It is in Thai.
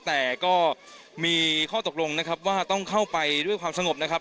แต่ก็มีข้อตกลงนะครับว่าต้องเข้าไปด้วยความสงบนะครับ